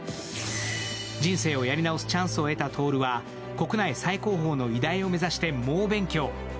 人生をやり直すチャンスを得た徹は国内最高峰の医大を目指して猛勉強。